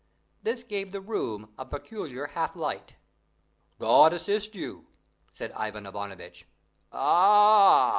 This gave the room a peculiar half light. "God assist you!" said Ivan Ivanovitch. "Ah!